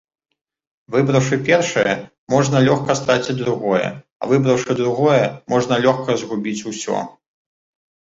Выбраўшы першае, можна лёгка страціць другое, а выбраўшы другое, можна лёгка згубіць усё.